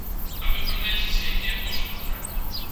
А вы паглядзіце, якія кошты ў краме!